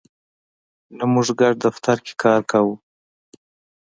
نه، موږ ګډ دفتر کی کار کوو